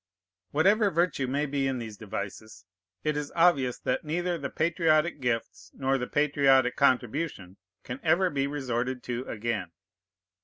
Whatever virtue may be in these devices, it is obvious that neither the patriotic gifts nor the patriotic contribution can ever be resorted to again.